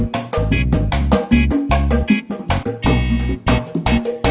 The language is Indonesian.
masih belum selesai kamu